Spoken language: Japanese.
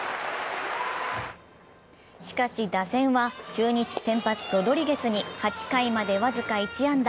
しかし打線は中日先発・ロドリゲスに８回まで僅か１安打。